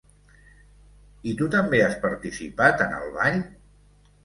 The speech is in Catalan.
I tu també has participat en el ball?